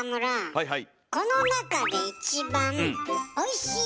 はいはい。